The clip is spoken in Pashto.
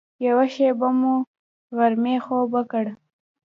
یوه شېبه مو غرمنۍ خوب وکړ.